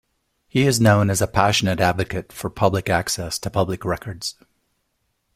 He is known as a passionate advocate for public access to public records.